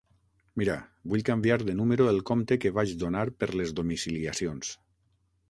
Mira, vull canviar el número de compte que vaig donar per les domiciliacions.